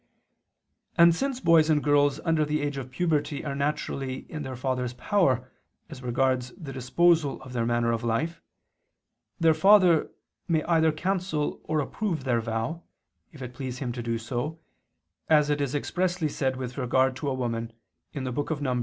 And since boys and girls under the age of puberty are naturally in their father's power as regards the disposal of their manner of life, their father may either cancel or approve their vow, if it please him to do so, as it is expressly said with regard to a woman (Num.